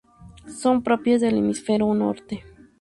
Son propias del Hemisferio Norte.